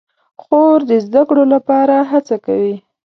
خور د زده کړو لپاره هڅه کوي.